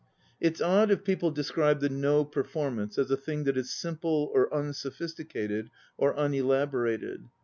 "It's odd if people describe the No performance as a thing that is simple or unsophisticated or unelaborated.